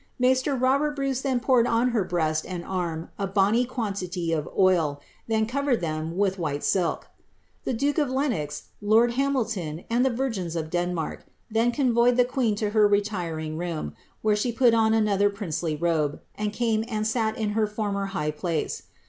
.Mai^■te^ Robert Bruce then poured on tier breast and arm a bonny quantity of oil, and then covered ihini wiih white ! ilk. The duke ol" Lenox, lo'rd Hamilton, and the virgin? of Pr;; mark, then convoyed the queen to her retiring room, where she put on another princely robe, and came atid sal in her former high pbce.